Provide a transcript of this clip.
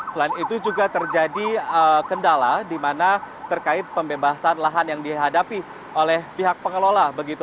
selain itu juga terjadi kendala di mana terkait pembebasan lahan yang dihadapi oleh pihak pengelola